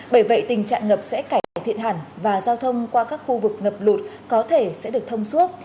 bởi vậy tình trạng ngập sẽ cải thiện hẳn và giao thông qua các khu vực ngập lụt có thể sẽ được thông suốt